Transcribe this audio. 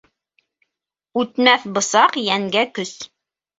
Үтмәҫ бысаҡ йәнгә көс.